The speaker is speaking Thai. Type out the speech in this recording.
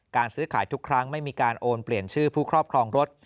ซื้อขายทุกครั้งไม่มีการโอนเปลี่ยนชื่อผู้ครอบครองรถ